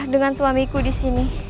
dengan suamiku disini